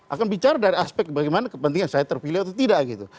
akan bicara dari aspek bagaimana kepentingan saya terpilih atau tidak gitu